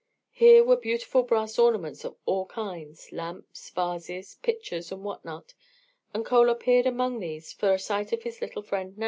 Here were beautiful brass ornaments of all kinds, lamps, vases, pitchers, and what not, and Chola peered among these for a sight of his little friend Nao.